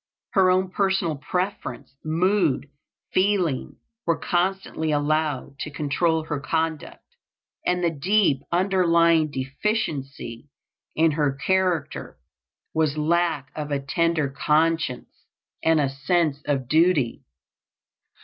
Her own personal preference, mood, feeling, were constantly allowed to control her conduct; and the deep underlying deficiency in her character was lack of a tender conscience and of a sense of duty.